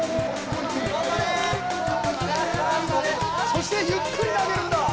そしてゆっくり投げるんだ。